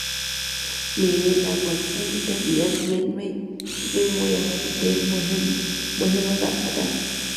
مېوې د افغانستان د طبیعي زیرمو یوه ډېره مهمه برخه ده.